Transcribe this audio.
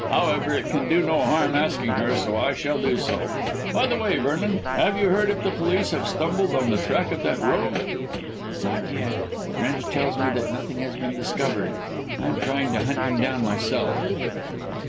However, it can do no harm asking her, so I shall do so. By the way, Vernon, have you heard if the police have stumbled on the track of that rogue?" "Not yet. Drench tells me that nothing has been discovered. I am trying to hunt him down myself."